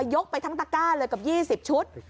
ยกไปทั้งตะก้าเลยกับ๒๐ชุด